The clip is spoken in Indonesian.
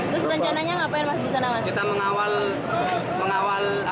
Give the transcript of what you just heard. terus rencananya ngapain di sana